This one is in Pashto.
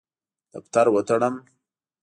دفتر وتړم.